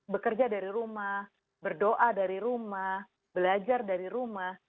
bekerja dari rumah berdoa dari rumah belajar dari rumah